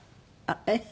えっ？